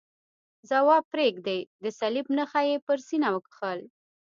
ځواب پرېږدئ، د صلیب نښه یې پر سینه وکښل.